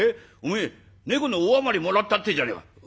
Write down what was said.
おめえ猫のおあまりもらったっていうじゃねえか！」。